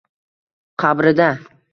Qabrida